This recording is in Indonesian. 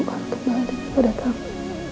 kembali kepada kamu